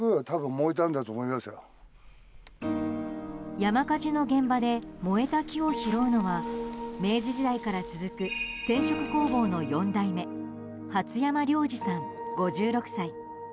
山火事の現場で燃えた木を拾うのは明治時代から続く染色工房の４代目初山亮二さん、５６歳。